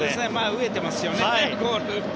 飢えてますよね、ゴール。